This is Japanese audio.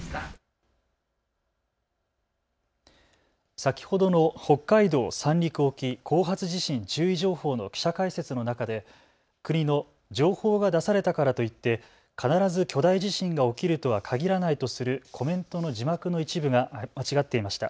先ほどの北海道・三陸沖後発地震注意情報の記者解説の中で、国の情報が出されたからといって必ず巨大地震が起きるとは限らないとするコメントの字幕の一部が間違っていました。